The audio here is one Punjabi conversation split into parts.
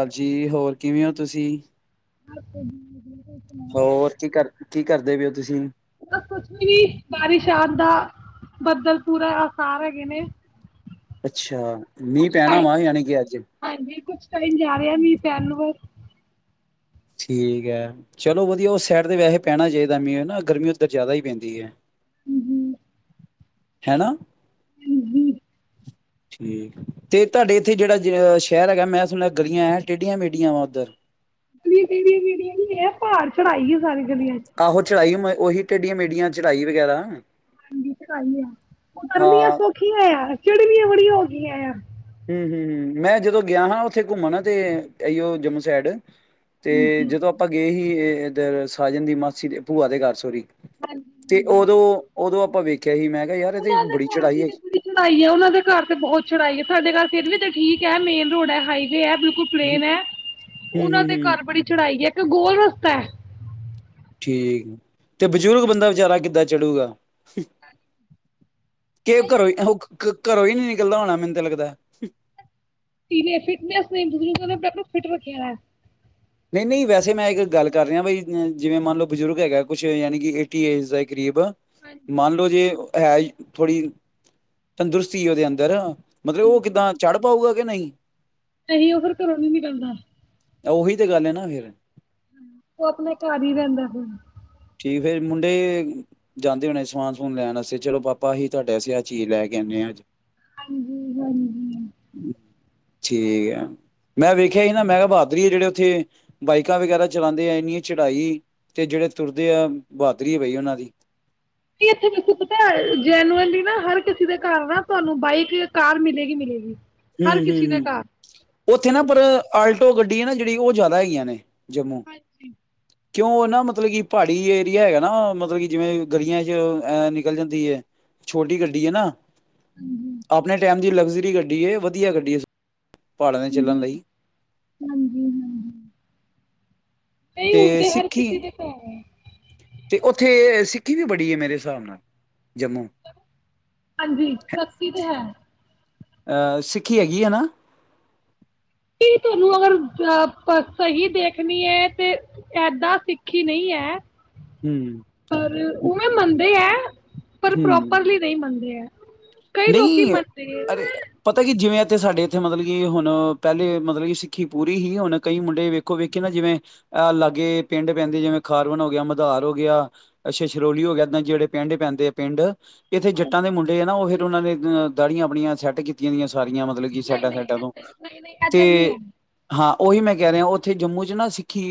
ਹਾਂਜੀ ਹੋਰ ਕਿਵੇਂ ਹੋ ਤੁਸੀਂ ਹ [inaudible] ਹੋ ਹੋਰ ਕੀ ਕਰ ਕੀ ਕਰਦੇ ਪਏ ਉ ਤੁਸੀਂ ਬ ਕੁਛ ਵੀ ਵੀ ਬਾਰਿਸ਼ ਆਨ ਦਾ ਬੱਦਲ ਪੂਰਾ ਆਸਾਰ ਹੈਗੇ ਨੇ ਅੱਛਾ ਮੀਂਹ ਕੁਛ ਪੈਣਾ ਟਾਈਮ ਵਾ ਯਾਨੀ ਕਿ ਅੱਜ ਹਾਂਜੀ ਕੁਛ ਜਾ ਰਿਹਾ ਮੀ ਪੈਣ ਨ ਵ ਠੀਕ ਹੈ ਚਲੋ ਵਧੀਆ ਉਸ ਸਾਈਡ ਤੇ ਵੈਸੇ ਪੈਣਾ ਚਾਹੀਦਾ ਮੀਂਹ ਨਾ ਗਰਮੀ ਉੱਧਰ ਜ਼ਿਆਦਾ ਹੀ ਪੈਂਦੀ ਹੈ ਹੂੰ ਹੂੰ ਹੈਨਾ ਹੂੰ ਹੂੰ ਠੀਕ ਤੇ ਤੁਹਾਡੇ ਇੱਥੇ ਜਿਹੜਾ ਜ ਸ਼ਹਿਰ ਹੈਗਾ ਮੈਂ ਸੁਣਿਆ ਗਲੀਆਂ ਹੈ ਟੇਢੀਆਂ ਮੇਢੀਆਂ ਵਾ ਉੱਧਰ ਗਲੀਆਂ ਤੇਡਈਆ ਮੇਡਦੀਆਂ ਨਹੀਂ ਏ ਪਹਾੜ ਚੜਾਈ ਆ ਸਾਰੀ ਗਲੀਆਂ ਚ ਟੇਡੀਆਂ ਮੇਢੀਆਂ ਚੜ੍ਹਾਈ ਵਗੈਰਾ ਹਾਂਜੀ ਚੜਾਈ ਆ ਉਤਰਨੀਆ ਹਾਂ ਸੌਖੀਆ ਯਾਰ ਚੜਨੀਆ ਬੜੀਆਂ ਔਖੀਆਂ ਆ ਹਮ ਹਮ ਹ ਮੈਂ ਜਦੋਂ ਗਿਆ ਹਾਂ ਉੱਥੇ ਘੁੰਮਣ ਤੇ ਇਈਓ ਜੰਮੂ ਸਾਈਡ ਤੇ ਹਾਂਜੀ ਜਦੋਂ ਆਪਾਂ ਗਏ ਸੀ ਇਧਰ ਸਾਜਨ ਦੀ ਮਾਸੀ ਦੇ ਭੂਆ ਦੇ ਘਰ ਸੋਰੀ ਹਾਂਜੀ ਤੇ ਹਾਂਜੀ ਉਦੋਂ ਉਦੋਂ ਆਪਾਂ ਵੇਖਿਆ ਹੀ ਮੈਂ ਕਿਹਾ ਯਾਰ ਇਹਦੀ ਉਹਨਾਂ ਦੇ ਬੜੀ ਘਰ ਚੜਾਈ ਦੀ ਹੈਗੀ। ਬੜੀ ਚੜਾਈ ਹੈ ਉਹਨਾਂ ਦੇ ਘਰ ਤੇ ਬਹੁਤ ਚੜਾਈ ਸਾਡੇ ਘਰ ਫਿਰ ਵੀ ਤਾਂ ਠੀਕ ਹੈ, ਮੇਨ ਰੋਡ ਹੈ ਹਾਈਵੇ ਹੈ ਬਿਲਕੁਲ ਹੂੰ, ਪਲੇਨ ਐ ਹੂੰ, ਉਹਨਾਂ ਹੂੰ, ਦੇ ਹੂੰ। ਘਰ ਬੜੀ ਚੜਾਈ ਐ ਇੱਕ ਗੋਲ ਰ ਕੁੱਤਾ [inaudible] ਠੀਕ ਤੇ ਬਜ਼ੁਰਗ ਬੰਦਾ ਵਿਚਾਰਾ ਕਿੱਦਾਂ ਚੜੂਗਾ, ਕਿ ਘਰੋਂ ਹੀ ਉਹ ਘਰੋਂ ਹੀ ਨੀ ਨਿਕਲਦਾ ਹੋਣਾ ਮੈਨੂੰ ਤਾਂ ਲੱਗਦਾ ਤਨ ਫਿਟਨਸ ਨਹੀਂ ਦ ਆਪ ਆਪ ਫਿਟ ਰੱਖੇ [inaudible] ਨਹੀਂ ਨਹੀਂ ਵੈਸੇ ਮੈਂ ਇੱਕ ਗੱਲ ਕਰ ਰਿਹਾ ਬਈ, ਜਿਵੇਂ ਮੰਨ ਲਓ ਬਜ਼ੁਰਗ ਹੈਗਾ ਕੁਛ ਯਾਨੀ ਕਿ ਏਟੀ ਏਜ ਦਾ ਇੱਕ ਗ਼ਰੀਬ ਹਾਂਜੀ। ਮੰਨ ਲੋੋ ਜੇ ਹੈ ਥੋੜ੍ਹੀ ਤੰਦਰੁਸਤੀ ਉਹਦੇ ਅੰਦਰ ਮਤਲਬ, ਉਹ ਕਿੱਦਾਂ ਚੜ ਪਾਊਗਾ। ਕਿ, ਨਹੀਂ। ਅਸੀ ਉਹ ਫਿਰ ਘਰੋਂ ਨੀ ਨਿਕਲਦਾ। ਉਹ ਹੀ ਤੇ ਗੱਲ ਹੈ ਨਾ ਫਿਰ। ਉਹ ਆਪਣੇ ਘਰ ਹੀ ਰਹਿੰਦਾ, ਹੁਣ। ਠੀਕ, ਫਿਰ ਮੁੰਡੇ ਜਾਂਦੇ ਹੋਣੇ ਸਮਾਨ-ਸਮੂਨ ਲੈਣ ਵਾਸਤੇ ਚਲੋ, ਪਾਪਾ ਅਸੀਂ ਤੁਹਾਡੇ ਲਈ ਆਹ ਚੀਜ਼ ਲੈ ਕੇ ਆਂਦੇ ਹਾਂ, ਅੱਜ। ਹਾਂਜੀ, ਹਾਂਜੀ। ਠੀਕ ਹੈ। ਮੈਂ ਵੇਖਿਆ ਹੀ ਨਾ ਮੈਂ ਕਿਹਾ, ਬਹਾਦਰੀ ਹੈ। ਜਿਹੜੇ ਉੱਥੇ ਬਾਈਕਾਂ ਵਗੈਰਾ ਚਲਾਉਂਦੇ ਆ, ਇੰਨੀ ਚੜਾਈ ਤੇ ਜਿਹੜੇ ਤੁਰਦੇ ਆ, ਬਹਾਦਰੀ ਹੈ ਭਈ ਉਹਨਾਂ ਦੀ। ਕੀ ਇੱਥੇ ਤੁਹਾਨੂੰ ਪਤਾ ਜੈਨੂਅਲੀ ਨਾ, ਹਰ ਕਿਸੇ ਦੇ ਘਰ ਨਾ ਤੁਹਾਨੂੰ ਬਾਈਕ ਜਾਂ ਕਾਰ ਮਿਲੇਗੀ-ਮਿਲੇਗੀ। ਹੂੰ, ਹੂੰ, ਹੂੰ। ਉੱਥੇ ਨਾ ਪਰ ਆਲਟੋ ਗੱਡੀ -ਨਾ ਜਿਹੜੀ ਉਹ ਜ਼ਿਆਦਾ ਹੈਗੀਆਂ ਨੇ। ਜੰਮੂ ਅੱਛਾ। ਕਿਉਂ ਨਾ ਮਤਲਬ ਕਿ, ਪਹਾੜੀ ਏਰੀਆ ਹੈਗਾ ਨਾ, ਮਤਲਬ ਕਿ ਜਿਵੇਂ ਗਲੀਆਂ ਚ ਐ ਨਿਕਲ ਜਾਂਦੀ ਐ ਛੋਟੀ ਗੱਡੀ ਹੈ ਨਾ। ਹਾਂਜੀ ਆਪਣੇ ਟਾਈਮ ਦੀ ਲਗਜ਼- -ਰੀ ਗੱਡੀ ਹੈ। ਵਧੀਆ ਗੱਡੀ ਹੈ, ਪਹਾੜਾਂ ਦੇ ਚੱਲਣ ਲਈ ਹਾਂਜੀ-ਹਾਂਜੀ। ਹੂ। ਨਹੀਂ, ਹੁਣ ਤੇ ਹਰ ਕਿਸੀ ਦੇ ਘਰ- ਤੇ ਉੱਥੇ ਸਿੱਖੀ ਵੀ ਬੜੀ ਹੈ, ਮੇਰੇ ਹਿਸਾਬ ਨਾਲ। ਜੰਮੂ ਹਾਂਜੀ, ਸਖਤੀ ਤੇ ਹੈ। ਐ, ਸਿੱਖੀ ਹੈਗੀ ਹੈ ਨਾ। ਕੀ ਤੁਹਾਨੂੰ ਅਗਰ ਐ, ਸਹੀ ਦੇਖਨੀ ਐ ਤੇ ਏਦਾਂ ਸਿੱਖੀ ਨਹੀਂ ਹੈ। ਹੂੰ ਪਰ ਉਵੇਂ ਮੰਨਦੇ ਐ [inaudible] ਪਰ ਹੂੰ ਪ੍ਰੋਪਰਲੀ ਨਹੀਂ ਮੰਨਦੇ ਐ। ਨਹੀਂ, ਅਰੇ ਪਤਾ ਕੀ ਜਿਵੇਂ- ਤੇ ਸਾਡੇ ਇੱਥੇ ਮਤਲਬ ਕਿ, ਹੁਣ ਪਹਿਲੇ ਮਤਲਬ ਕਿ ਸਿੱਖੀ ਪੂਰੀ ਹੀ। ਹੁਣ ਕਈ ਮੁੰਡੇ ਵੇਖੋ-ਵੇਖੇ ਨਾ ਜਿਵੇਂ ਅਹ ਲਾਗੇ ਪਿੰਡ ਪੈਂਦੇ ਜਿਵੇਂ ਖਾਰਵਨ ਹੋ ਗਿਆ, ਮਦਾਰ ਹੋ ਗਿਆ, ਸ਼ਛਰੋਲੀ ਹੋ ਗਿਆ, ਏਦਾਂ ਜਿਹੜੇ ਪਿੰਡ ਪੈਂਦੇ ਆ, ਪਿੰਡ- ਇੱਥੇ ਜੱਟਾਂ ਦੇ ਮੁੰਡੇ, ਆ ਨਾ ਉਹ ਇਹ- ਉਹਨਾਂ ਨੇ ਦਾੜੀਆਂ ਆਪਣੀਆਂ ਸੈੱਟ ਕੀਤੀਆ। ਸਾਰੀਆਂ ਮਤਲਬ ਕਿ ਨਹੀਂ-ਨਹੀਂ ਸਾਾਈਡਾਂ-ਸਾਈਡਾਂ ਤੋਂ, ਏਧਰ ਨਹੀਂ-ਨਹੀਂ ਤੇ ਏਧਰ ਨੀ ਹੈ। ਹਾਂ ਉਹੀ ਮੈਂ ਕਹਿ ਰਿਹਾ ਉੱਥੇ ਜੰਮੂ ' ਨਾ ਸਿੱਖੀ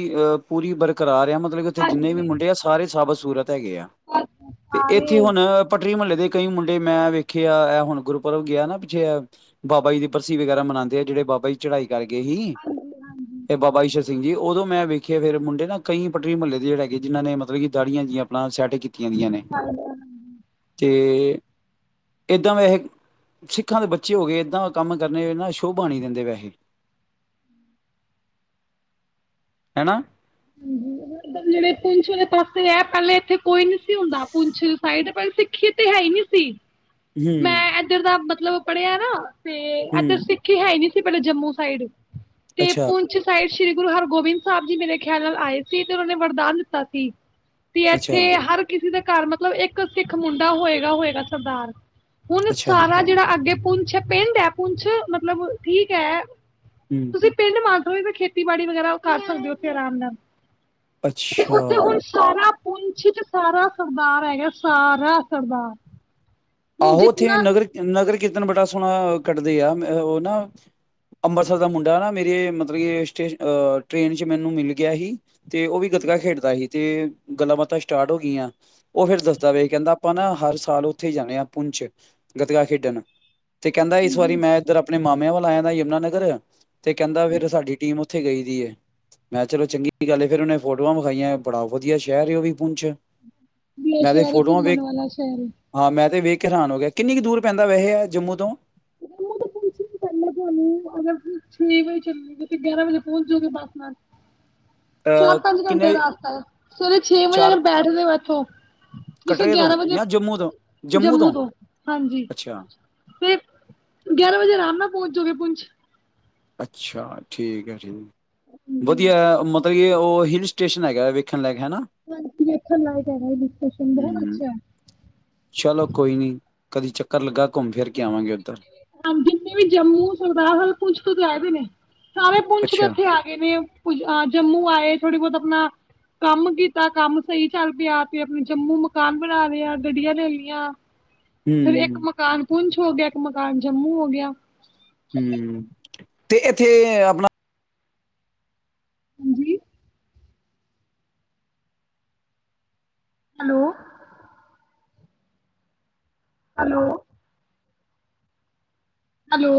ਪੂਰੀ ਬਰਕਰਾਰ ਹੈ। ਮਤਲਬ ਉੱਥੇ ਜਿੰਨੇ ਵੀ ਹਾਂਜੀ। ਮੁੰਡੇ ਆ, ਸਾਰੇ ਸਾਬਤ- ਸੂਰਤ। ਹੈਗੇ ਆ, ਬਸ ਤੇ ਸਾਰੇ ਇੱਥੇ ਹੁਣ ਪਟਰੀ ਮੁਹੱਲੇ ਦੇ- ਕਈ ਮੁੰਡੇ ਮੈਂ ਵੇਖੇ, ਆ, ਇਹ ਹੁਣ ਗੁਰੂ ਪੂਰਬ ਗਿਆ ਨਾ ਪਿੱਛੇ। ਇਹ ਬਾਬਾ ਜੀ ਦੀ ਬਰਸੀ ਵਗੈਰਾ ਮਨਾਉਦੇ ਆ, ਜਿਹੜੇ ਬਾਬਾ ਜੀ ਚੜਾਈ- ਕਰ ਗਏ ਹੀ, ਤੇ ਬਾਬਾ ਈਸ਼ਰ ਸਿੰਘ ਜੀ ਉਦੋਂ- ਮੈਂ ਵੇਖਿਆ ਫੇਰ ਮੁੰਡੇ ਨਾ ਕਈ ਪਟਰੀ ਮਹੱਲੇ ਦੇ ਜਿਹੜੇ ਹੈਗੇ ਜਿਹਨਾਂ ਨੇ ਮਤਲਬ ਕਿ ਦਾੜੀਆਂ ਜਿਆਂ ਅਪਣਾ ਸੈਟ ਕੀਤੀ ਆਂ ਦੀ ਨੇ ਹਾਂਜੀ-ਹਾਂਜੀ ਤੇ [inaudible] ਏਦਾਂ ਵੈਸੇ ਸਿੱਖਾਂ ਦੇ ਬੱਚੇ ਹੋ ਕੇ ਏਦਾਂ ਦੇ ਕੰਮ ਕਰਨੇ ਨਾ ਸ਼ੋਭਾ ਨਹੀਂ ਦਿੰਦੇ ਵੈਸੇ, ਹੈਨਾ। ਏਧਰ ਜਿਹੜੇ ਪੁੰਛ ਵਾਲੇ ਪਾਸੇ ਏ ਪਹਿਲੇ ਇਥੇ ਕੋਈ ਨੀ ਸੀ ਹੁੰਦਾ ਪੁੰਛ ਸਾਇਡ ਸਿੱਖ ਤੇ ਹੈ ਹੀ ਨੀ ਸੀ। ਮੈਂ ਹਮ ਇੱਧਰ ਦਾ ਮਤਲਬ ਪੜਿਆ ਨਾ ਤੇ ਇਧਰ ਹਮ ਸਿੱਖੀ ਹੈ ਨੀ ਸੀ ਫੇਰ ਜੰਮੂ ਸਾਈਡ ਤੇ ਅੱਛਾ ਪੁੰਛ ਸਾ਼ਯਦ ਸ਼੍ਰੀ ਗੁਰੂ ਹਰਗੋਬਿੰਦ ਸਾਹਿਬ ਜੀ ਮੇਰੇ ਖਿਆਲ ਨਾਲ ਆਏ ਸੀ ਤੇ ਉਹਨਾਂ ਨੇ ਵਰਦਾਨ ਦਿੱਤਾ ਸੀ ਤੇ ਅੱਛਾ ਇੱਥੇ ਹਰ ਕਿਸੇ ਦਾ ਘਰ ਮਤਲਬ ਇੱਕ ਸਿੱਖ ਮੁੰਡਾ ਹੋਏਗਾ ਹੋਏਗਾ ਸਰਦਾਰ। ਹੁਣ ਅੱਛਾ ਸਾਰਾ ਜਿਹੜਾ ਅੱਗੇ ਪੂੰਛ ਅੱਛਾ ਪਿੰਡ ਹੈ ਪੁੰਛ, ਮਤਲਬ ਠੀਕ ਹੈ ਹਮ ਤੁਸੀਂ ਪਿੰਡ ਮਾ ਤੁਸੀਂ ਖੇਤੀਬਾੜੀ ਵਗੈਰਾ ਉਹ ਕਰ ਸਕਦੇ ਹੋ ਉੱਥੇ ਆਰਾਮ ਨਾਲ। ਤੇ ਉੱਥੇ ਅੱਛਾ ਹੁਣ ਸਾਰਾ ਪੂੰਛ ਚ ਸਾਰਾ ਸਰਦਾਰ ਹੈਗਾ, ਸਾਰਾ ਸਰਦਾਰ। ਹੁਣ ਆਹੋ ਉੱਥੇ ਜਿੰਨਾ ਨਗਰ, ਨਗਰ ਕੀਰਤਨ ਬੜਾ ਸੋਹਣਾ ਕੱਢਦੇ ਆ ਉਹ ਨਾ ਅੰਮ੍ਰਿਤਸਰ ਦਾ ਮੁੰਡਾ ਨਾ ਮੇਰੇ ਮਤਲਬ ਕਿ ਸਟੇਸ਼ ਟ੍ਰੇਨ ਚ ਮੈਨੂੰ ਮਿਲ ਗਿਆ ਸੀ ਤੇ ਉਹ ਵੀ ਗੱਤਕਾ ਖੇਡਦਾ ਸੀ। ਤੇ ਗੱਲਾਂ ਬਾਤਾਂ ਸਟਾ੍ਟ ਹੋ ਗਈਆਂ ਉਹ ਫੇਰ ਦੱਸਦਾ ਪਿਆ ਸੀ ਕਿ ਆਪਾਂ ਨਾ ਹਰ ਸਾਲ ਉੱਥੇ ਹੀ ਜਾਣੇ ਆ। ਪੁੰਛ, ਗਤਕਾ ਖੇਡਣ। ਤੇ ਕਹਿੰਦਾ ਇਸ ਵਾਰੀ ਮੈਂ ਇੱਧਰ ਆਪ ਮੈਂ ਮਾਮਿਆਂ ਵੱਲ ਆਇਆ ਦਾ ਯਮੁਨਾਨਗਰ ਤੇ ਕਹਿੰਦਾ ਫਿਰ ਸਾਡੀ ਟੀਮ ਉੱਥੇ ਗਈ ਦੀ ਏ, ਮੈਂ ਕਿਹਾ ਚਲੋ ਚੰਗੀ ਗੱਲ ਏ ਫਿਰ ਉਹਨੇ ਫੋਟੋਆਂ ਵਿਖਾਈਆਂ। ਬੜਾ ਵਧੀਆ ਸ਼ਹਿਰ ਉਹ ਵੀ ਪੁੰਛ ਵੀ ਇਹ ਮੈਂ ਤੇ ਸ਼ਹਿਰ ਹੈ ਫੋਟੋਆਂ ਵੇਖ, ਘੁੰਮਣ ਵਾਲਾ ਸ਼ਹਿਰ ਹੈ ਹਾਂ ਮੈਂ ਤੇ ਵੇਖ ਹੈਰਾਨ ਹੋ ਗਿਆ, ਕਿੰਨੀ ਕੁ ਦੂਰ ਪੈਂਦਾ ਵੈਸੇ ਏ ਜੰਮੂ ਤੋਂ। ਜੰਮੂ ਤੋਂ ਪੁੰਛ ਪੈਂਦਾ ਤੁਹਾਨੂੰ, ਅਗਰ ਛੇ ਵਜੇ ਚੱਲੇ ਤਾਂ ਗਿਆਰਾਂ ਵਜੇ ਪਹੁੰਚ ਜਾਓਗੇ, ਬਸ ਨਾਲ। ਚਾਰ, ਅਹ ਪੰਜ ਕਿੰਨੇ ਘੰਟੇ ਰਸਤਾ ਹੈ ਸਵੇਰੇ ਛੇ ਵਜੇ ਚਾਰ ਅਗਰ ਬੈਠਦੇ ਹੋ ਐਥੋਂ ਤੁਸੀਂ ਕਟਰੇ ਤੋਂ ਗਿਆਰਾਂ ਵਜੇ, ਜਾਂ ਜੰਮੂ ਤੋਂ ਜੰਮੂ ਤੋਂ, ਹਾਂਜੀ। ਅੱਛਾ, ਫੇ ਗਿਆਰਾਂ ਵਜੇ ਆਰਾਮ ਨਾਲ ਪਹੁੰਚ ਜਾਔਗੇ ਪੁੰਛ। ਅੱਛਾ। ਠੀਕ ਹੈ, ਠੀਕ। ਹਾਂਜੀ ਵਧੀਆ ਏ ਮ ਮਤਲਬ ਕਿ ਔ ਹਿੱਲ ਸਟੇਸ਼ਨ ਹੈਗਾ, ਵੇਖਣ ਲਾਈਕ। [unintelligible] ਸਟੇਸ਼ਨ ਬਹੁਤ ਹੂੰ। ਅੱਛਾ। ਚਲੋ ਕੋਈ ਨੀ, ਕਦੀ ਚੱਕਰ ਲੱਗਾ ਘੁੰਮ ਫਿਰ ਕੇ ਆਵਾਂਗੇ ਉੱਧਰ ਹਾਂਜੀ, ਜਿਵੇਂ ਜੰਮੂ ਸਰਦਾਰ ਕੁਛ ਕੁ [unintelligible] ਸਾਰੇ ਪੁੰਛ ਤੋਂ ਅੱਛਾ ਏਥੇ ਆ ਗਏ ਨੇ। [unintelligible] ਜੰਮੂ ਆਏ ਥੋੜੀ ਬਹੁਤ ਆਪਣਾ ਕੰਮ ਕੀਤਾ, ਕੰਮ ਸਹੀ ਚੱਲ ਪਿਆ, ਤੇ ਆਪਣੇ ਜੰਮੂ ਮਕਾਨ ਬਣਾ ਲਿਆ, ਗੱਡੀਆਂ ਲੈ ਲਈਆਂ। ਫੇਰ ਇੱਕ ਹੂੰ। ਮਕਾਨ, ਪੂੰਛ। ਹੋ ਗਿਆ, ਇੱਕ ਮਕਾਨ ਜੰਮੂ ਹੋ ਗਿਆ। ਹੁੰ, ਤੇ ਇੱਥੇ ਆਪਣਾ ਹਾਂਜੀ। ਹੈਲੋ। ਹੈਲੋ। ਹੈਲੋ।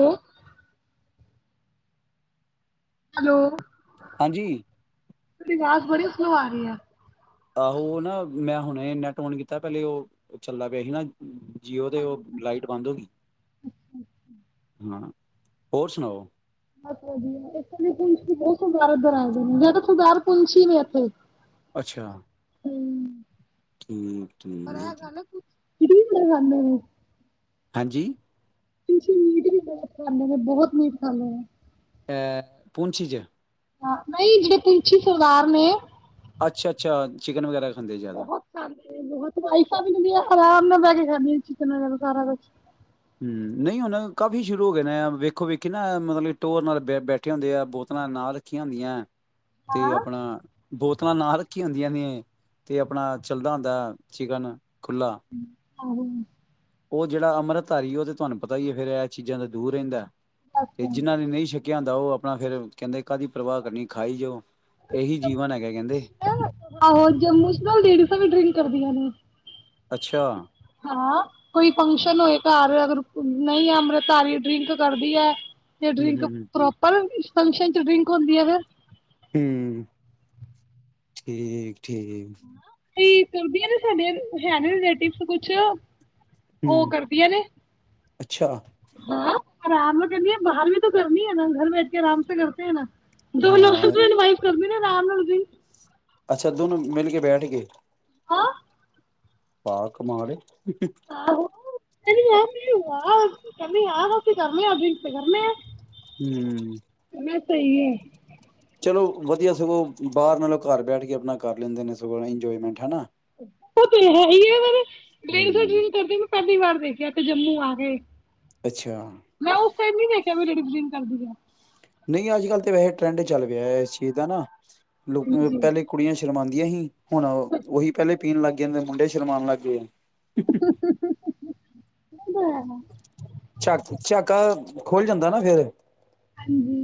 ਹੈਲੋ। ਹਾਂਜੀ ਤੁਹਾਡੀ ਆਵਾਜ਼ ਬੜੀ ਸਲੋ ਆ ਰਹੀ ਏ। ਆਹੋ ਔਨਾ, ਮੈਂ ਹੁਣੇ ਨੈਟ ਔਨ ਕੀਤਾ, ਪਹਿਲੇ ਔ ਚੱਲਦਾ ਪਿਆ ਹੀ ਨਾ ਜੀਓ ਤੇ ਔ, ਲਾਈਟ ਬੰਦ ਹੋ ਗਈ। ਹਾਂ, ਹੋਰ ਸੁਣਾਓ। ਬਸ ਵਧਿਆ, ਇੱਥੇ ਦੀ ਪੂੰਛ ਤੋਹ ਬਹੁਤ ਸਰਦਾਰ ਏਥੇ ਆਏ ਦੇ ਨੇ, ਜ਼ਯਾਦਾ ਤਰ ਸਰਦਾਰ ਪੂੰਛੀ ਨੇ ਇੱਥੇ। ਅੱਛਾ। ਹੁੰ। ਠੀਕ। ਪਰ ਇਹ ਠੀਕ ਗੱਲ ਏ ਕੁਛ [unintelligible] ਆਂਦੇ ਨੇ। ਹਾਂਜੀ। ਪੂੰਛੀ ਮੀਟ ਵੀ ਬਹੁਤ ਖਾਂਦੇ ਨੇ, ਬਹੁਤ ਮੀਟ ਖਾਂਦੇ ਨੇ। ਏ ਪੂੰਛੀ'ਚ। ਨਹੀਂ ਜਿਹੜੇ ਪੂੰਛੀ ਸਰਦਾਰ ਨੇ। [unintelligible] ਅੱਛਾ ਅੱਛਾ, ਚਿਕਨ ਵਗੈਰਾ ਖਾਂਦੇ ਜ਼ਿਆਦਾ। ਬਹੁਤ ਖਾਂਦੇ ਬਹੁਤ ਵਾਇਫਾਂ ਵੀ ਏਨਾ ਦੀਆਂ ਆਰਾਮ ਨਾਲ ਬੈਠ ਕੇ ਖਾਂਦੀਆਂ ਨੇ ਚਿਕਨ ਵਗੈਰਾ ਸਾਰਾ ਕੁਛ। ਹੁੰ ਨਹੀਂ ਹੁਣ ਕਾਫੀ ਸ਼ੁਰੂ ਹੋ ਗਏ ਨੇ ਵੇਖੋ ਵੇਖੀ ਨਾ ਮਤਲਬ ਕਿ ਟੋਰ ਨਾਲ ਬੈਠੇ ਹੁੰਦੇ ਆ ਬੋਤਲਾਂ ਨਾਲ ਰੱਖੀਆਂ ਹੁੰਦੀਆਂ। ਤੇ ਆਪਣਾ ਬੋਤਲਾਂ ਨਾਲ ਰੱਖੀਆਂ ਹੁੰਦੀਆਂ ਨੇ ਤੇ ਆਪਣਾ ਚੱਲਦਾ ਹੁੰਦਾ ਚਿਕਨ। ਖੁੱੱਲਾ। ਆਹੋ। ਓ ਜਿਹੜਾ ਅੰਮ੍ਰਿਤਧਾਰੀ ਏ ਓ ਤੇ ਤੁਹਾਨੂੰ ਪਤਾ ਹੀ ਏ ਫੇਰ ਇਹ ਚੀਜ਼ਾਂ ਦਾ ਦੂਰ ਰਹਿੰਦਾ। ਬਸ ਤੇ ਬਸ। ਜਿਨਾਂ ਨੇ ਨਹੀ ਸ਼ਕ ਕੀ ਆਂਦਾ ਉਹ ਆਪਣਾ ਫੇਰ ਕਹਿੰਦੇ ਕਾਦੀ ਪਰਵਾਹ ਕਰਨੀ ਖਾਈ ਜਾਓ ਇਹੀ ਜੀਵਨ ਹੈਗਾ ਕਹਿੰਦੇ ਆਹੋ ਜੰਮੂ ਚ ਨਾ ਲੇਡੀਜ਼ਾਂ ਵੀ ਡਰਿੰਕ ਕਰਦੀਆਂ ਨੇ ਅੱਛਾ ਹਾਂ ਕੋਈ ਹੂੰ ਫੰਕਸ਼ਨ ਹੋਏ ਘਰ ਅਗਰ- ਨਹੀਂ ਅੰਮ੍ਰਿਤਧਾਰੀ ਡਰਿੰਕ ਕਰਦੀਆ ਹੈ ਤੇ ਹੂੰ ਡਰਿੰਕ ਹੂੰ ਪ੍ਰੋਪਰ ਫੰਕਸ਼ਨ ਚ ਡਰਿੰਕ ਹੁੰਦੀ ਏ ਫਿਰ ਹੂੰ ਠੀਕ ਠੀਕ। ਕਈ ਕਰਦੀਆਂ ਨੇ ਸਾਡੇ ਹੈ ਨੇ ਰਿਲੇਟਿਵ ਕੁਛ [unintelligible] ਉਹ ਹੂੰ ਕਰਦੀਆਂ ਨੇ ਅੱਛਾ ਆਰਾਮ ਨਾਲ ਕਹਿੰਦਿਆ ਬਾਹਰ ਵੀ ਤਾਂ ਕਰਨੀ ਏ ਨਾ, ਘਰ ਬੈਠ ਕੇ ਆਰਾਮ ਸੇ ਕਰਤੇ ਹੈ ਨਾ। ਦੋਨੋ ਹਾਂ ਹਸਬੈਂਡ ਵਾਈਫ ਕਰਦੇ। ਅ [unintelligible] ਰਾਮ ਨਾਲ ਕੀ ਅੱਛਾ ਦੋਨੋ ਮਿਲ ਕੇ ਬੈਠ ਕੇ- ਹਾਂ ਵਾ-ਕਮਾਲ ਏ। [inaudible] ਕਹਿੰਦੀ ਲਵ ਯੂ ਯਾਰ। ਕਹਿੰਦੀ ਯਾਰ ਅਸੀ ਕਰਨੇ ਆ ਡਰਿੰਕ ਕਰਨੇ ਆ। ਹੂੰਅ [unintelligible] ਐ ਸਹੀ ਏ। ਚਲੋ ਵਧੀਆ ਸਗੋਂ ਬਾਹਰ ਨਾਲੋਂ ਘਰ ਬੈਠ ਕੇ ਆਪਣਾ ਕਰ ਲੈਂਦੇ ਨੇ, ਸਗੋਂ ਇੰਜੋਏਮੈਂਟ ਹਨਾ। ਉਹ ਤੇ ਹੈ ਈ ਏ ਪਰ ਲੇਡਿਜਾਂ ਹਮ ਡਰਿੰਕ ਕਰਦੇ ਪਹਿਲੀ ਵਾਰ ਦੇਖਿਆ ਇਥੇ ਜੰਮੂ ਆ ਕੇ। ਅੱਛਾ ਮੈਂ ਉਸ ਟਾਈਮ ਨੀ ਦੇਖਿਆ ਵੀ ਲੇਡਿਜ ਡਰਿੰਕ- ਕਰਦੀਆ। ਨਹੀਂ ਅੱਜ ਕੱਲ੍ਹ ਤਾਂ ਵੈਹੇ ਟਰੈਂਡ ਚੱਲ ਪਿਆ ਏ। ਇਸ ਚੀਜ਼ ਦਾ ਨਾ- ਲੋਕੀ ਹਾਂਜੀ ਪਹਿਲੇ ਕੁੜੀਆਂ'ਚ- ਸ਼ਰਮਾਂਦੀਆਂ ਹੀ ਹੁਣ ਉਹੀ ਪਹਿਲੇ ਪੀਣ ਲੱਗ- ਕਹਿੰਦੇ ਮੁੰਡੇ ਸ਼ਰਮਾਨ ਲੱਗਦੇ ਆ। [inaudible] [unintelligible] ਖੁੱਲ ਜਾਂਦਾ ਨਾ ਫਿਰ ਹਾਂਜੀ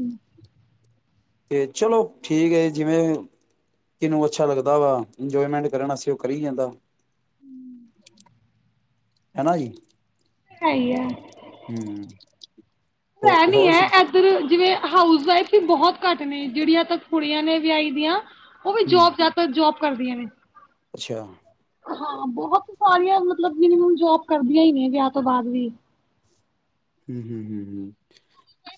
ਤੇ ਚਲੋ ਠੀਕ ਏ, ਜਿਵੇਂ ਕਿਨੂੰ ਅੱਛਾ ਲੱਗਦਾ ਵਾ ਇੰਜੋਇਮੈਂਟ ਕਰਨ ਆਸੇ ਉਹ ਕਰੀ ਜਾਂਦਾ। ਹਨਾ ਜੀ ਹੈ ਹੀ ਹੈ ਹਮ ਹੋ ਹੈ ਨੀ ਹੋਰ ਹੈ ਸੁਣ ਇੱਧਰ ਜਿਵੇਂ ਹਾਊਸ ਵਾਈਫ ਬਹੁਤ ਘੱਟ ਨੇ ਜਿਹੜੀਆਂ ਤੱਕ ਕੁੜੀਆਂ ਨੇ ਵਿਆਹੀ ਦੀਆਂ ਉਹ ਵੀ ਹਮ ਜੋਬ ਜ਼ਿਆਦਾਤਰ ਜੋਬ ਕਰਦੀਆਂ ਨੇ ਅੱਛਾ। ਹਾਂ ਬਹੁਤ ਸਾਰੀਆਂ ਮੀਮਨ ਜੋਬ ਕਰਦੀਆਂ ਹੀ ਨੇ ਵਿਆਹ ਤੋਂ ਬਾਅਦ ਵੀ। [unintelligible]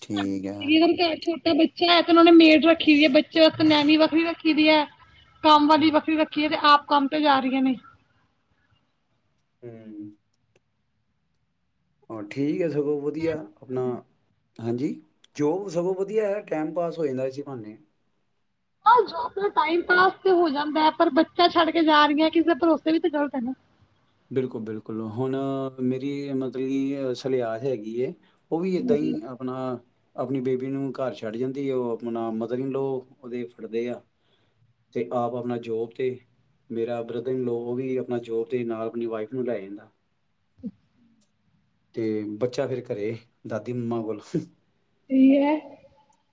ਠੀਕ ਹੈ ਬੱਚਾ ਹੈ ਤੇ ਉਹਨਾਂ ਨੇ ਮੇਡ ਰੱਖੀ ਦੀ ਹੈ ਬੱਚੇ ਵਾਸਤੇ ਨੈਨੀ ਵੱਖਰੀ ਰੱਖੀ ਦੀ ਹੈ। ਕੰਮ ਵਾਲੀ ਹਮ ਬੱਖਰੀ ਰੱਖੀਏ ਤੇ ਆਪ ਕੰਮ ਤੇ ਜਾ ਰਹੀਆਂ ਨੇ ਹਮ। ਹਾਂ ਠੀਕ। ੱਥਗੋਂ ਵਧੀਆ ਆਪਣਾ ਹਾਂਜੀ ਜੋ ਸਗੋਂ ਵਧੀਆ ਹੈ ਟਾਈਮ ਪਾਸ ਹੋ ਜਾਂਦਾ ਅਂ ਭਨੇ ਟਾਈਮ ਪਾਸ ਤੇ ਹੋ ਜਾਂਦਾ ਪਰ ਬੱਚਾ ਛੱਡ ਕੇ ਜਾ ਰਹੀਆਂ ਕਿਸੇ ਦੇ ਭਰੋਸੇ ਵੀ ਤੇ ਗ਼ਲਤ ਹੈ ਨਾ। ਬਿਲਕੁਲ ਬਿਲਕੁਲ ਹੁਣ ਮੇਰੀ ਮਤਲਬ ਕੀ ਸਲਿਆਤ ਹੈਗੀ ਹੈ। ਉਹ ਵੀ ਏਦਾਂ ਹਾਂਜੀ ਹੀ ਆਪਣਾ ਆਪਣੀ ਬੇਬੀ ਨੂੰ ਘਰ ਛੱਡ ਜਾਂਦੀ ਆ ਉਹ ਆਪਣਾ ਮਦਰਗ ਲੋਓ ਉਹਦੇ ਫੜਦੇ ਆ ਤੇ ਆਪ ਆਪਣਾ ਜੋਬ ਤੇ ਮੇਰਾ ਬ੍ਰਦਰਗ ਲੋ ਉਹ ਵੀ ਆਪਣਾ ਜੋਬ ਤੇ ਨਾਲ ਆਪਣੀ ਵਾਈਫ ਨੂੰ ਲੈ ਜਾਂਦਾ। [unintelligible] ਤੇ ਬੱਚਾ ਫਿਰ ਘਰੇ ਦਾਦੀ ਮੰਮਾ ਕੋਲ ਹੈ।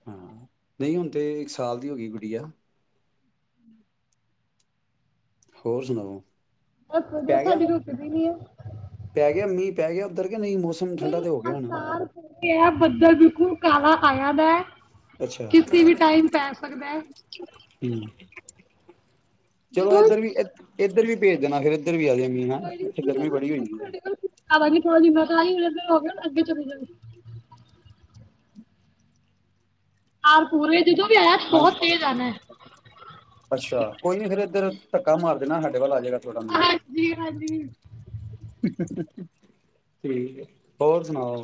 ਹਾਂ ਨਹੀਂ ਹੁਣ ਤੇ ਇੱਕ ਸਾਲ ਦੀ ਹੋ ਗਈ ਗੁੜੀਆ ਹੋਰ ਸੁਣਾਓ? ਬਸ ਵਧੀਆ ਪੈ ਗਿਆ ਸਾਡੀ ਰੋਟੀ ਬਣੀ ਹੈ। ਪੈ ਗਿਆ ਮੀਂਹ ਪੈ ਗਿਆ ਉਧਰ? ਨਹੀਂ ਅਸਾਰ ਬੱਦਲ ਦੇਖੋ। ਕਾਲਾ ਖਾਇਆ ਦਾ ਹੈ। ਅੱਛਾ ਕਿਸੇ ਵੀ ਟਾਈਮ ਪੈ ਸਕਦਾ ਹੈ। ਹਮ। ਚਲੋ ਜਦੋਂ ਇਏਧਰ ਵੀ ਇੱਧਰ ਵੀ ਭੇਜ ਦੇਣਾ ਫੇਰ ਕੋਈ ਹੈ ਤੁਹਾਡੇ ਕੋਲ ਆਵਾਂਗੇ। ਹੀ ਮੈਂ ਕਿਹਾਈ ਹੋ ਗਿਆ ਅੱਗੇ ਚਲੇ ਜਾਵੇ। [inaudible] ਆਰ ਪੂਰ ਵਿੱਚ। ਹਾਂਜੀ, ਅੱਛਾ ਕੋਈ ਨੀ ਫਿਰ ਇੱਧਰ ਧੱਕਾ ਮਾਰ ਦੇਣਾ ਸਾਡੇ ਵੱਲ ਆ। ਜਾਏਗਾ ਥੋੜਾ ਮੀਂਹ ਹਾਂਜੀ -ਹਾਂਜੀ। ਠੀਕ ਹੋਰ ਸੁਣਾਓ।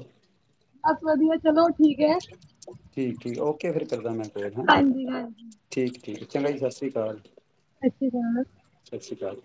ਬਸ ਵਧੀਆ ਚਲੋ। ਠੀਕ ਹੈ [unintelligible] ਠੀਕ ਠੀ ਓਕੇ ਫਿਰ ਕਰਦਾ ਮੈਂ। ਫ ਹ ਹਾਂਜੀ ਹਾਂਜੀ ਠੀਕ ਠੀਕ [inaudible] ਚਲੋ ਜੀ, ਸਤਿ ਸ਼੍ਰੀ ਅਕਾਲ। ਅੱਛੀ ਗਲ। ਸਤਿ ਸ਼੍ਰੀ ਅਕਾਲ